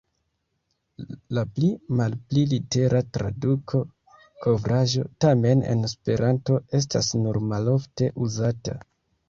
La pli-malpli litera traduko "kovraĵo" tamen en Esperanto estas nur malofte uzata.